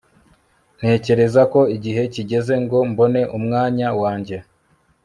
ntekereza ko igihe kigeze ngo mbone umwanya wanjye